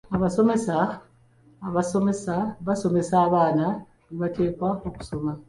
Abasomesa basomesa abaana bye bateekwa okusoma.